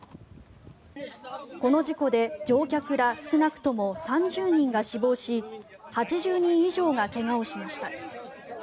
この事故で乗客ら少なくとも３０人が死亡し８０人以上が怪我をしました。